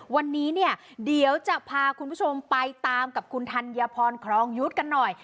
วันนี้เนี่ยเดี๋ยวจะพาคุณผู้ชมไปตามกับคุณธัญพรครองยุทธ์กันหน่อย